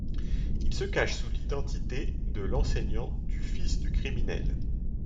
Il se cache sous l'identité de l'enseignant du fils du criminel.